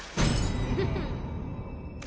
フフフ。